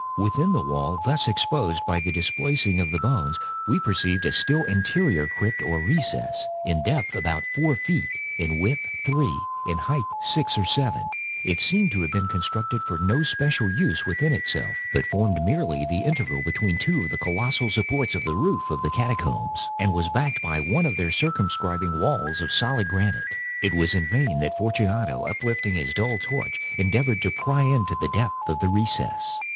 Within the wall thus exposed by the displacing of the bones, we perceived a still interior recess, in depth about four feet, in width three, in height six or seven. It seemed to have been constructed for no especial use in itself, but formed merely the interval between two of the colossal supports of the roof of the catacombs, and was backed by one of their circumscribing walls of solid granite. It was in vain that Fortunato, uplifting his dull torch, endeavored to pry into the depths of the recess.